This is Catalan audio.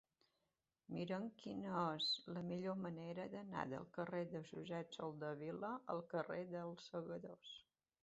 Mira'm quina és la millor manera d'anar del carrer de Josep Soldevila al carrer dels Segadors.